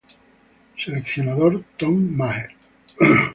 Seleccionador: Tom Maher.